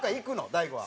大悟は。